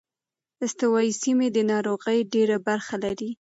استوايي سیمې د ناروغۍ ډېره برخه لري.